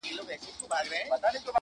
عدالت یې هر سړي ته وو منلی-